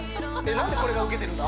なんでこれがウケてるんだ？